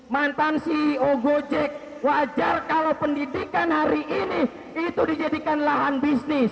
mantan ceo gojek wajar kalau pendidikan hari ini itu dijadikan lahan bisnis